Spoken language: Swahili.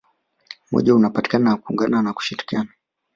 umoja unapatikana kwa kuungana na kushirikiana